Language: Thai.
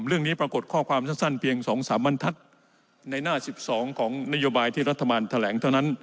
เรื่องนี้ปรากฏข้อความสั้นเพียง๒๓บรรทัศน์ในหน้า๑๒ของนโยบายที่รัฐบาลแถลงเท่านั้น